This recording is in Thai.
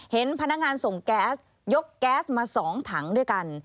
เห็นพนักงานส่งแก๊สยกแก๊สมา๒ถังด้วยกัน